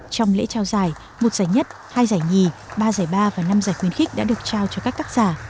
trong lễ trao giải một giải nhất hai giải nhì ba giải ba và năm giải khuyến khích đã được trao cho các tác giả